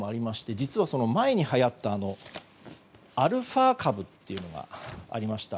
実は、その前にはやったアルファ株というのがありました。